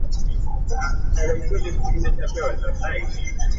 Obweyamo buno minisita Magyezi abuweeredde ku mbuga enkulu e Bulange Mmengo